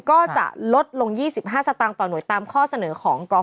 ก็จะลดลง๒๕สตางค์ต่อหน่วยตามข้อเสนอของกอง